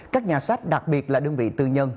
các nhà sách đặc biệt là đơn vị tư nhân